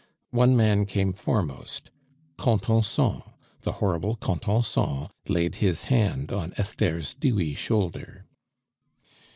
One man came foremost. Contenson, the horrible Contenson, laid his hand on Esther's dewy shoulder.